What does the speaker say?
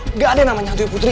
enggak ada namanya antunya putri